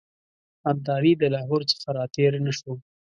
ابدالي د لاهور څخه را تېر نه شو.